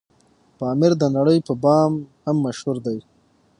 پامير دنړۍ په بام هم مشهور دی